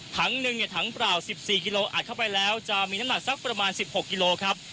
ถังหนึ่งเนี่ยถังเปล่า๑๔กิโลอัดเข้าไปแล้วจะมีน้ำหนักสักประมาณ๑๖กิโลครับ